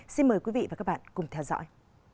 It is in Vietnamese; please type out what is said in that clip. xin mời quý vị và các bạn cùng theo dõi